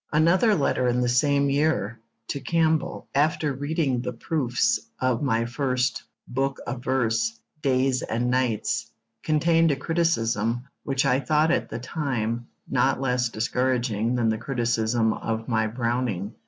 Another letter in the same year, to Campbell, after reading the proofs of my first book of verse, Days and Nights, contained a criticism which I thought, at the time, not less discouraging than the criticism of my Browning.